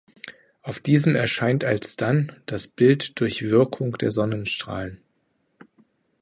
Auf diesem erscheint alsdann das Bild durch Wirkung der Sonnenstrahlen.